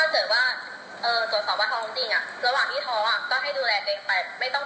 เขาว่าจะรักเจ้าชอบนะ